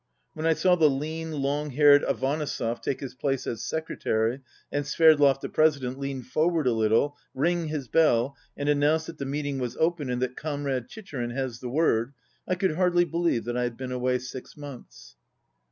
When I saw the lean, long haired Avanesov take his place as secre tary, and Sverdlov, the president, lean forward a little, ring his bell, and announce that the meeting was open and that "Comrade Chicherin has the word," I could hardly believe that I had been away six months.